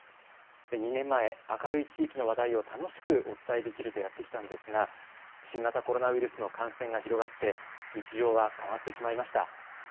２年前、明るい地域の話題を楽しくお伝えできるとやってきたんですが新型コロナウイルスの感染が広がって日常は変わってしまいました。